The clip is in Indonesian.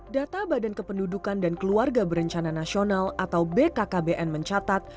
data badan kependudukan dan keluarga berencana nasional atau bkkbn mencatat